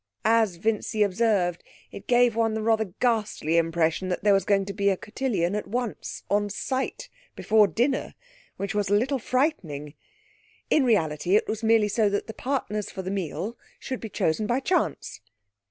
As Vincy observed, it gave one the rather ghastly impression that there was going to be a cotillion at once, on sight, before dinner; which was a little frightening. In reality it was merely so that the partners for the meal should be chosen by chance.